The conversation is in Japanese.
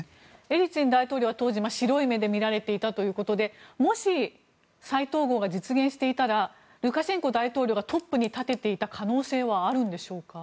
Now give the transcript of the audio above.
エリツィン大統領は当時、白い目で見られていたということでもし再統合が実現していたらルカシェンコ大統領がトップに立てていた可能性はあるんでしょうか。